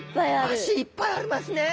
脚いっぱいありますね。